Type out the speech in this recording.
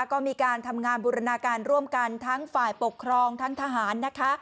ก็มีการทำงานบูรณาการร่วมกันทั้งฝ่ายปกครองทั้งทหารนะคะ